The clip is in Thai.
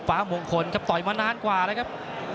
มงคลครับต่อยมานานกว่าแล้วครับ